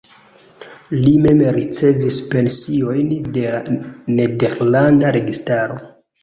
Li mem ricevis pension de la nederlanda registaro.